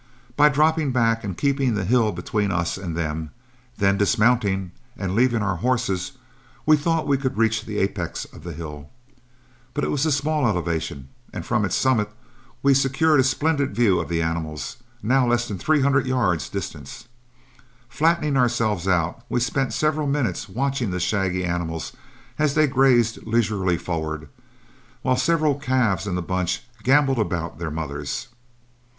By dropping back and keeping the hill between us and them, then dismounting and leaving our horses, we thought we could reach the apex of the hill. It was but a small elevation, and from its summit we secured a splendid view of the animals, now less than three hundred yards distant. Flattening ourselves out, we spent several minutes watching the shaggy animals as they grazed leisurely forward, while several calves in the bunch gamboled around their mothers.